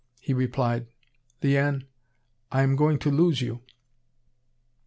He replied: "Liane, I am going to lose you."